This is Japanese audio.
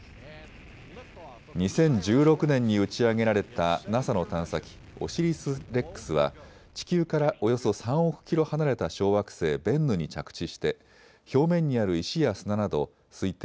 ２０１６年に打ち上げられたＮＡＳＡの探査機オシリス・レックスは地球からおよそ３億キロ離れた小惑星ベンヌに着地して表面にある石や砂など推定